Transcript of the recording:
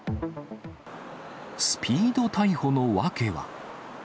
スピード逮捕の訳は。